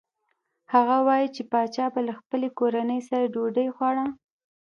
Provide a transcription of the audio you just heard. هغه وايي چې پاچا به له خپلې کورنۍ سره ډوډۍ خوړه.